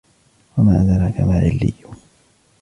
وما أدراك ما عليون